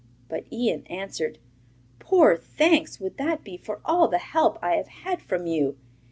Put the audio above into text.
But Ian answered: 'Poor thanks would that be for all the help I have had from you.